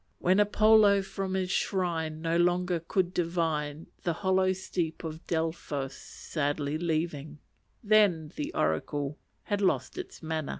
When Apollo from his shrine, No longer could divine, The hollow steep of Delphos sadly leaving, then the oracle had lost its mana.